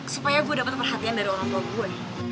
supaya gue dapat perhatian dari orang tua gue